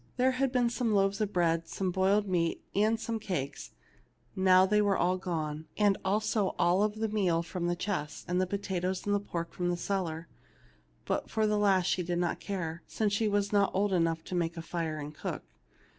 There had been some loaves of bread, some boiled meat, and some cakes ; now they were all gone, and also all the meal from the chest, and the potatoes and pork from the cellar. But for that last she did not care, since she was not old enough to make a fire and cook.